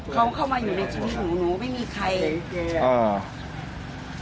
เขาเข้ามาอยู่ในชุมหนูหนูไม่มีใครอ่า